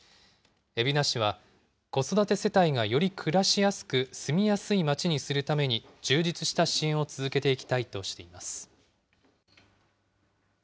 海老名市は、子育て世帯がより暮らしやすく、住みやすいまちにするために、充実した支援を続けていきたいとしています。